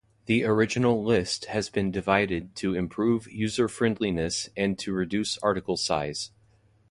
The original list has been divided to improve user-friendliness and to reduce article size.